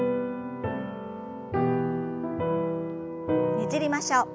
ねじりましょう。